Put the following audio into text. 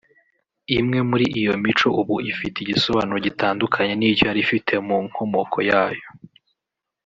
Imwe muri iyo mico ubu ifite igisobanuro gitandukanye n’icyo yari ifite mu nkomoko yayo